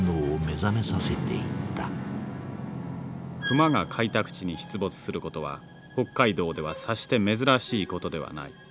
クマが開拓地に出没することは北海道ではさして珍しいことではない。